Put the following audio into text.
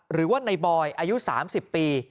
หรือว่าในบอยอายุ๓๐ปี